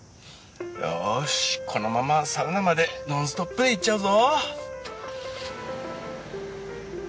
よしこのままサウナまでノンストップで行っちゃうぞ！